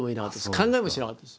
考えもしなかったです。